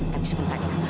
tapi sebentar ya